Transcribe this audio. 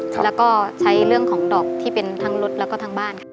แล้วก็ใช้เรื่องของดอกที่เป็นทั้งรถแล้วก็ทั้งบ้านค่ะ